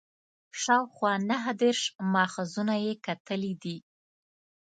شاوخوا نهه دېرش ماخذونه یې کتلي دي.